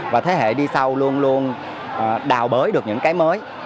và thế hệ đi sau luôn luôn đào bới được những cái mới